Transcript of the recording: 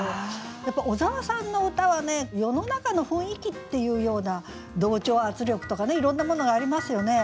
やっぱ小沢さんの歌は世の中の雰囲気っていうような同調圧力とかねいろんなものがありますよね。